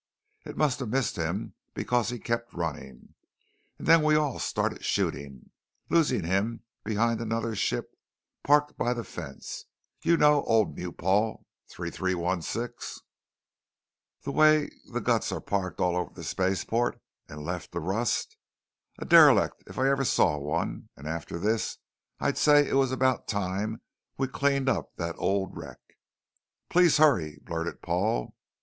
"It must of missed him because he kept running, and then we all started shooting, losing him behind another ship parked by the fence. You know old Mupol 3316? The way the guts are parked all over the spaceport and left to rust? A derelict if I ever saw one, and after this I'd say it was about time we cleaned up that old wreck "" Please hurry," blurted Paul.